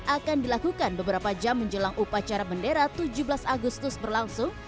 akan dilakukan beberapa jam menjelang upacara bendera tujuh belas agustus berlangsung